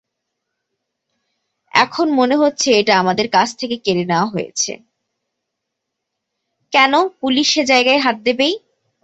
কেন, পুলিশ সে জায়গায় হাত দেবেই।